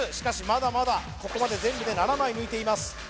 まだまだここまで全部で７枚抜いています